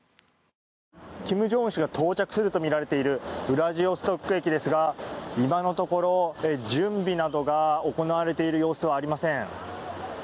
金正恩氏が到着するとみられているウラジオストク駅ですが今のところ準備などが行われている様子はありません。